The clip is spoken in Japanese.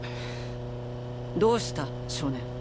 どうした少年。